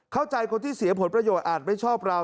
คนที่เสียผลประโยชน์อาจไม่ชอบเรา